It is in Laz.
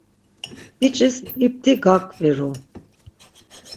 Biç̌is ipti gaǩviru.